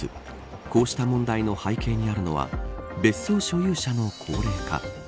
こうした問題の背景にあるのは別荘所有者の高齢化。